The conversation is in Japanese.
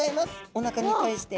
おなかに対して。